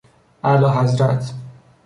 اعلیحضرت